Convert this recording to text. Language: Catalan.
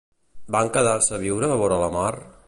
Van quedar-se a viure vora la mar?